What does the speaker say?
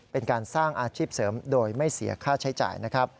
เป็นการสร้างอาชีพเสริมโดยไม่เสียค่าใช้จ่ายนะครับ